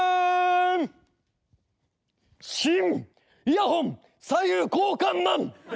イヤホン左右交換マン！